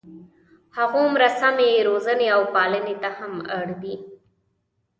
هغومره سمې روزنې او پالنې ته هم اړ دي.